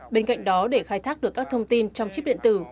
bên cạnh đó để khai thác được các thông tin trong chip điện tử